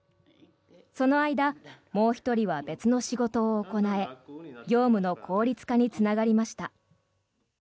その間、もう１人は別の仕事を行え業務の効率化につながりました。